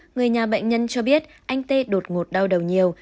người nhà bệnh nhân cho biết anh tê đột ngột đau đầu nhiều